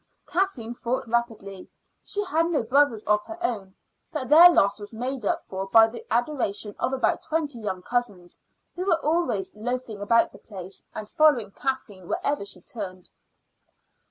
Kathleen thought rapidly. She had no brothers of her own, but their loss was made up for by the adoration of about twenty young cousins who were always loafing about the place and following Kathleen wherever she turned.